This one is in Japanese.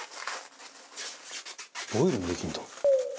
「ボイルもできるんだ」